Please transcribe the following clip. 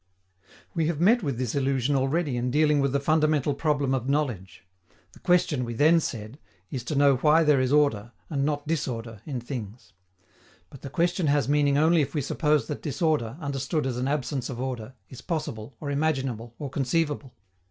We have met with this illusion already in dealing with the fundamental problem of knowledge. The question, we then said, is to know why there is order, and not disorder, in things. But the question has meaning only if we suppose that disorder, understood as an absence of order, is possible, or imaginable, or conceivable.